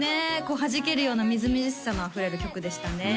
はじけるようなみずみずしさのあふれる曲でしたね